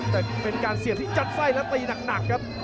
แต่เป็นการเสียบที่จัดไส้และตีหนักครับ